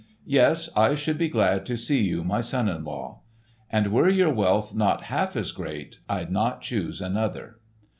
Yes, I should be glad to see you my son in law. And were your wealth not half as great, I'd not choose another."